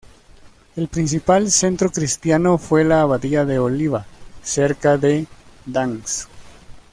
El principal centro cristiano fue la abadía de Oliva cerca de Gdansk.